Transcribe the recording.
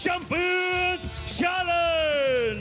เช้าเบียนชัลเลนด์